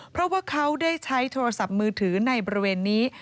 เพราะว่าเขาได้ใช้โทรศัพท์มือถือในบริเวณนี้